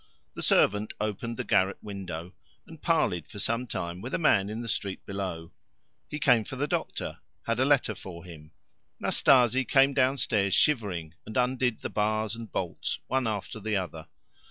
The servant opened the garret window and parleyed for some time with a man in the street below. He came for the doctor, had a letter for him. Natasie came downstairs shivering and undid the bars and bolts one after the other.